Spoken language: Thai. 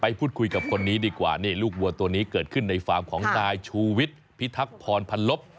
พูดคุยกับคนนี้ดีกว่านี่ลูกวัวตัวนี้เกิดขึ้นในฟาร์มของนายชูวิทย์พิทักษรพันลบ